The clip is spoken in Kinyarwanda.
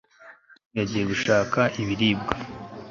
tom yagiye gushaka ibiribwa